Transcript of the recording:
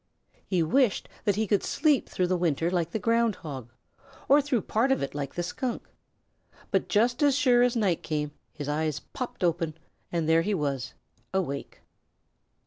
He wished that he could sleep through the winter like the Ground Hog, or through part of it like the Skunk, but just as sure as night came his eyes popped open and there he was awake.